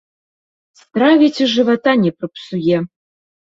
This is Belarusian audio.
Стравіць і жывата не прыпсуе.